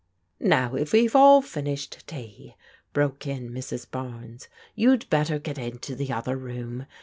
Now, if we've all finished tea," broke in Mrs. Barnes, you'd better get into the other room.